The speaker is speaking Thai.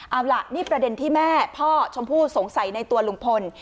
เอาล่ะนี่ประเด็นที่แม่พ่อชมพู่สงสัยในตัวลุงพล